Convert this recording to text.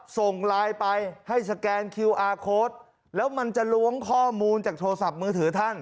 ส่งไลน์ไปให้สแกนคิวอาร์โค้ดแล้วมันจะล้วงข้อมูลจากโทรศัพท์มือถือท่าน